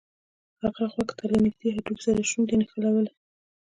هغه غوږ ته له نږدې هډوکي سره شونډې نښلولې